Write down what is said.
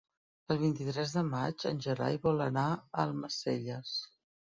El vint-i-tres de maig en Gerai vol anar a Almacelles.